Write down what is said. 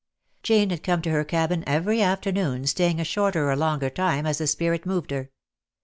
Jane had come to her cabin eveiy afternoon, staying a shorter or longer time as the spirit moved her.